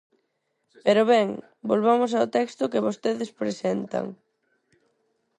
Pero, ben, volvamos ao texto que vostedes presentan.